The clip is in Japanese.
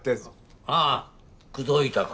ああ口説いたか？